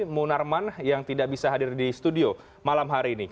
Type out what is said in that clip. munarman yang tidak bisa hadir di studio malam hari ini